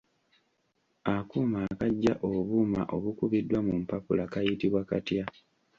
Akuuma akaggya obuuma obukubiddwa mu mpapula kayitibwa katya?